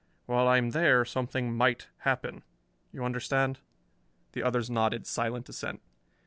While I am there something might happen. You understand?" The others nodded silent assent.